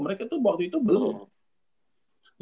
mereka tuh waktu itu belum